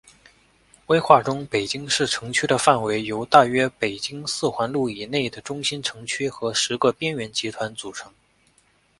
规划中北京市城区的范围由大约北京四环路以内的中心城区和十个边缘集团组成。